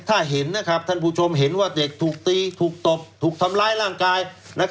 ถ้าเห็นนะครับท่านผู้ชมเห็นว่าเด็กถูกตีถูกตบถูกทำร้ายร่างกาย